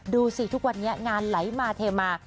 ดูสิทุกวันนี้งานไหลมาเทมา